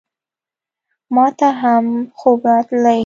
ماته هم خوب راتلی !